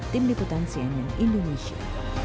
tim diputang cnn indonesia